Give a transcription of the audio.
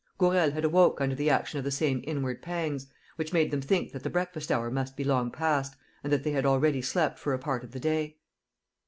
Gourel had awoke under the action of the same inward pangs, which made them think that the breakfast hour must be long past and that they had already slept for a part of the day.